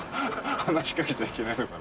話しかけちゃいけないのかな。